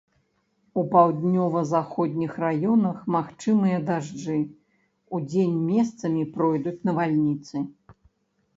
У паўднёва-заходніх раёнах магчымыя дажджы, удзень месцамі пройдуць навальніцы.